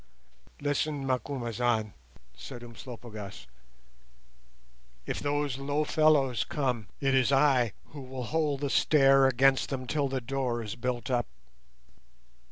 "Listen, Macumazahn," said Umslopogaas, "if those low fellows come, it is I who will hold the stair against them till the door is built up.